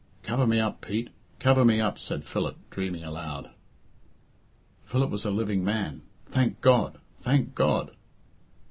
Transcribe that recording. "Cover me up, Pete, cover me up!" said Philip, dreaming aloud. Philip was a living man! Thank God! Thank God!